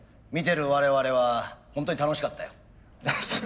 見てる我々はホントに楽しかったよ。